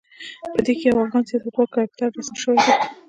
په دې کې د یوه افغان سیاستوال کرکتر رسم شوی دی.